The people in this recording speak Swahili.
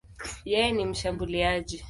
Yeye ni mshambuliaji.